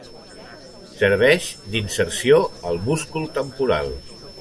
Serveix d'inserció al múscul temporal.